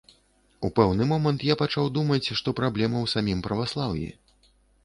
У пэўны момант я пачаў думаць, што праблема ў самім праваслаўі.